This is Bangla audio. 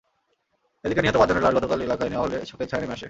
এদিকে নিহত পাঁচজনের লাশ গতকাল এলাকায় নেওয়া হলে শোকের ছায়া নেমে আসে।